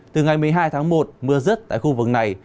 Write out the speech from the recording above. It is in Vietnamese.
từ ngày một mươi hai tháng một mưa rứt tại khu vực này